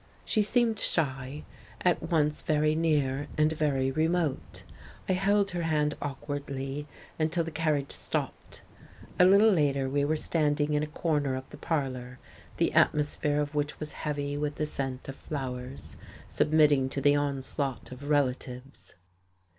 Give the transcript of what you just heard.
She seemed shy, at once very near and very remote. I held her hand awkwardly until the carriage stopped. A little later we were standing in a corner of the parlour, the atmosphere of which was heavy with the scent of flowers, submitting to the onslaught of relatives.